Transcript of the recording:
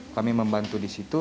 kami membantu di situ